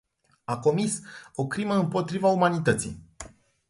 A comis o crimă împotriva umanității.